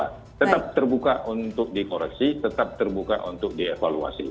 kita tetap terbuka untuk dikoreksi tetap terbuka untuk dievaluasi